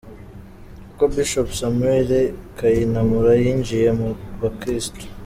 Uko Bishop Samuel Kayinamura yinjiye mu bukristu.